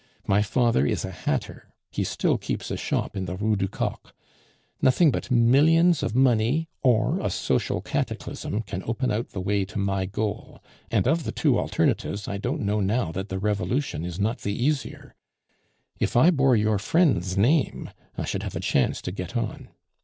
My father is a hatter; he still keeps a shop in the Rue du Coq. Nothing but millions of money or a social cataclysm can open out the way to my goal; and of the two alternatives, I don't know now that the revolution is not the easier. If I bore your friend's name, I should have a chance to get on.